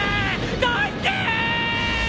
どいて！